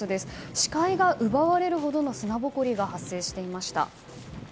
視界が奪われるほどの砂ぼこりが発生していました。